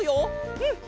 うん！